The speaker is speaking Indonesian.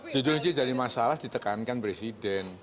tujuan itu jadi masalah ditekankan presiden